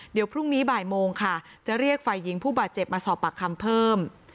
เดี๋ยวพรุ่งนี้บ่ายโมงค่ะจะเรียกฝ่ายหญิงผู้บาดเจ็บมาสอบปากคำเพิ่ม